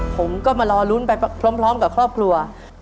ผมก็มารอลุ้นไปพร้อมกับครอบครัว